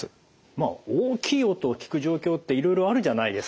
まあ大きい音を聞く状況っていろいろあるじゃないですか。